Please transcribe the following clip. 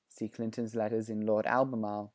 [See Clinton's letters in Lord Albemarle, p.